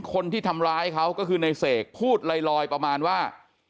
คนที่ทำร้ายเขาก็คือในเสกพูดลอยประมาณว่า